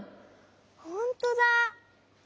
ほんとだ！